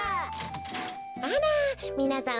あらみなさん